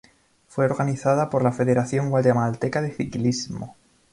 Fue organizada por la Federación Guatemalteca de Ciclismo.